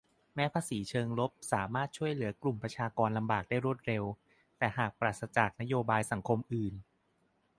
- แม้ภาษีเชิงลบสามารถช่วยเหลือกลุ่มประชากรลำบากได้รวดเร็ว แต่หากปราศจากนโยบายสังคมอื่น